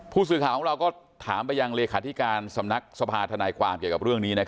ผู้สื่อข่าวของเราก็ถามไปยังเลขาธิการสำนักสภาธนายความเกี่ยวกับเรื่องนี้